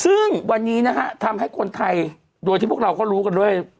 ซึ่งวันนี้นะฮะทำให้คนไทยโดยที่พวกเราก็รู้กันด้วย